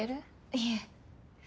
いえ。